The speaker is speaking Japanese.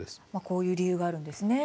こういう理由があるんですね。